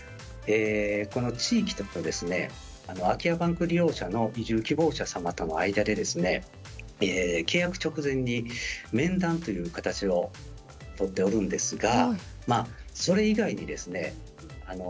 この地域と空き家バンク利用者の移住希望者様との間で契約直前に面談という形をとっておるんですがそれ以外にですね